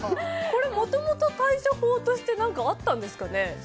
これ、もともと対処法として何かあったんですかね？